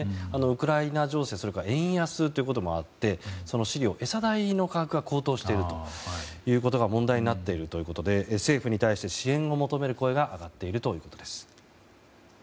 ウクライナ情勢円安ということもあって飼料、餌代の価格が高騰していることが問題になっているということで政府に対して支援を求める声が上がっているということです。